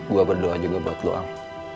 gua berdoa juga buat lu ang